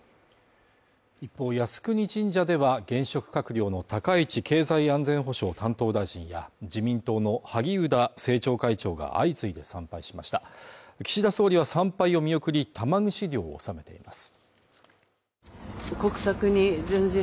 一方靖国神社では現職閣僚の高市経済安全保障担当大臣や自民党の萩生田政調会長が相次いで参拝しました岸田総理は参拝を見送り玉串料を納めています